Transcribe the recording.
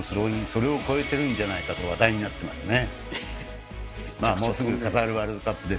それを超えてるんじゃないかと話題になってますね。